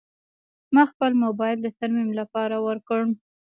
ما خپل موبایل د ترمیم لپاره ورکړ.